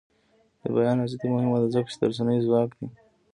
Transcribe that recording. د بیان ازادي مهمه ده ځکه چې د رسنیو ځواک دی.